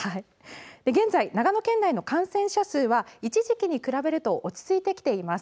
現在、長野県内の感染者数は一時期に比べると落ち着いてきています。